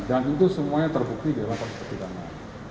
dan itu semuanya terbukti di lapangan seperti itu